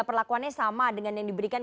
perlakuannya sama dengan yang diberikan